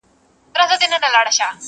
خامخا یې کر د قناعت ثمر را وړی دی,